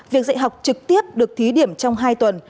việc dạy học trực tiếp được thí điểm trong hai tuần